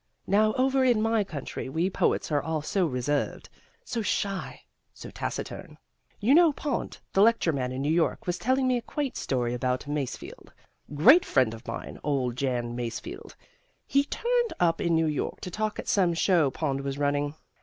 Now over in my country we poets are all so reserved, so shy, so taciturn. "You know Pond, the lecture man in New York, was telling me a quaint story about Masefield. Great friend of mine, old Jan Masefield. He turned up in New York to talk at some show Pond was running.